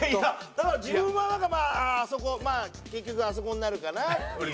だから自分はなんかまああそこ結局あそこになるかなっていう。